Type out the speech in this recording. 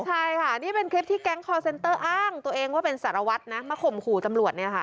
ใช่ค่ะนี่เป็นคลิปที่แก๊งคอร์เซ็นเตอร์อ้างตัวเองว่าเป็นสารวัตรนะมาข่มขู่ตำรวจเนี่ยค่ะ